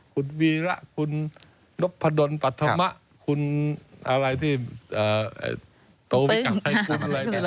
คุณวีระคุณลบพโดนปะธมะคุณตัววิกัรทัยฟุลอะไรกัน